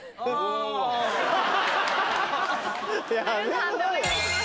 判定お願いします。